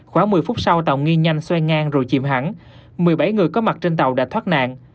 khoảng một mươi phút sau tàu nghi nhanh xoay ngang rồi chìm hẳn một mươi bảy người có mặt trên tàu đã thoát nạn